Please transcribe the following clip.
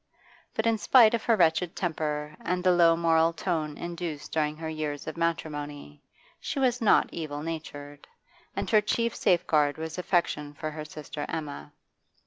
But, in spite of her wretched temper and the low moral tone induced during her years of matrimony, she was not evil natured, and her chief safeguard was affection for her sister Emma.